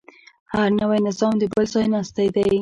هر نوی نظام د بل ځایناستی دی.